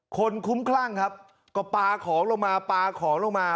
คนคุ้มคร่ังครับก็ปลาของลงมา